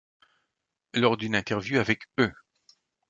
Lors d'une interview avec E!